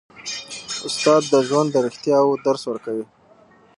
استاد د ژوند د رښتیاوو درس ورکوي.